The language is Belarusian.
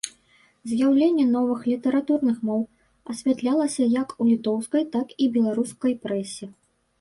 З'яўленне новых літаратурных моў асвятлялася як у літоўскай, так і беларускай прэсе.